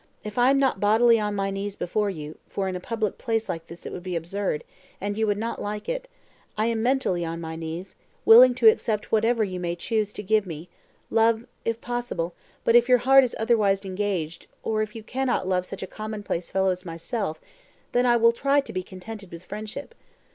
If I am not bodily on my knees before you for in a public place like this it would be absurd, and you would not like it I am mentally on my knees, willing to accept whatever you may choose to give me love, if possible; but if your heart is otherwise engaged, or if you cannot love such a commonplace fellow as myself, then I will TRY to be contented with friendship.